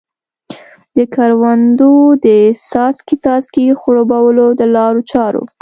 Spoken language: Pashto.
د کروندو د څاڅکې څاڅکي خړوبولو د لارو چارو.